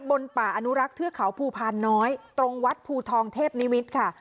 บนป่าอนุรักษ์เทือกเขาภูพานน้อยตรงวัดภูทองเทพนิมิตรค่ะ